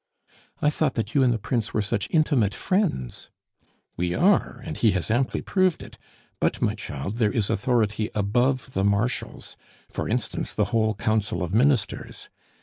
"I thought that you and the Prince were such intimate friends." "We are, and he has amply proved it; but, my child, there is authority above the Marshal's for instance, the whole Council of Ministers.